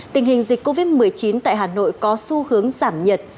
tình hình dịch covid một mươi chín tại hà nội có xu hướng giảm nhiệt